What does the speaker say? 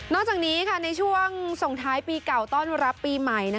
จากนี้ในช่วงส่งท้ายปีเก่าต้อนรับปีใหม่